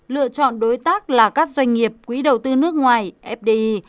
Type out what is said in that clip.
lựa chọn đối tác là các doanh nghiệp quỹ đầu tư nước ngoài fdi